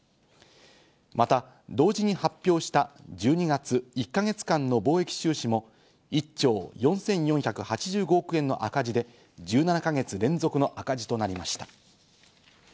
また同時に発表した１２月１か月間の貿易収支も１兆４４８５億円の赤字で１７か月連続の赤字となりました。